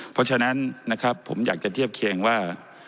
เพราะฉะนั้นนะครับผมอยากจะเทียบเคียงว่า